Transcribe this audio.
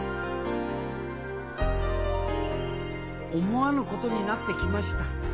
思わぬことになってきました。